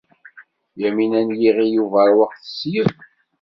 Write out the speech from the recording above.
Yamina n Yiɣil Ubeṛwaq tesleb.